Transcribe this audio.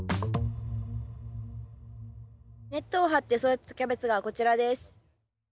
ネットを張って育てたキャベツがこちらです。